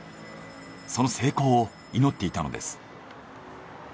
その成功を祈っていたのです。